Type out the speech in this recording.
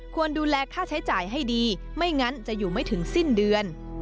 ดูแลค่าใช้จ่ายให้ดีไม่งั้นจะอยู่ไม่ถึงสิ้นเดือน